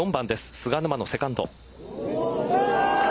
菅沼のセカンド。